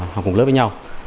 học cùng lớp với nhau